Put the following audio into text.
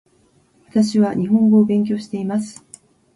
私は日本語を勉強しています